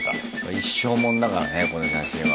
一生もんだからねこの写真は。